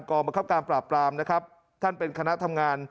บังคับการปราบปรามนะครับท่านเป็นคณะทำงาน